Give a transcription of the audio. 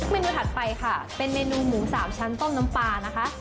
เมนูถัดไปค่ะเป็นเมนูหมูสามชั้นต้มน้ำปลานะคะ